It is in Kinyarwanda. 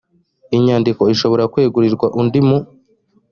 inyandiko ishobora kwegurirwa undi mu